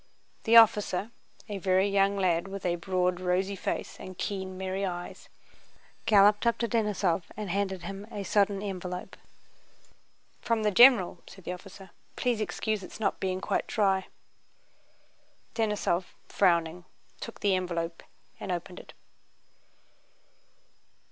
The officer, a very young lad with a broad rosy face and keen merry eyes, galloped up to Denísov and handed him a sodden envelope. "From the general," said the officer. "Please excuse its not being quite dry." Denísov, frowning, took the envelope and opened it.